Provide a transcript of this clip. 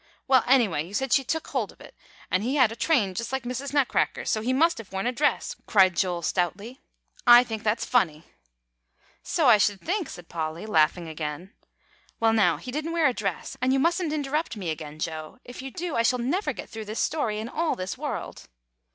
"Well, anyway, you said she took hold of it, and he had a train just like Mrs. Nutcracker's, so he must have worn a dress," cried Joel stoutly; "I think that's funny." "So I sh'd think," said Polly, laughing again. "Well, now, he didn't wear a dress, and you mustn't interrupt me again, Joe; if you do, I shall never get through this story in all this world.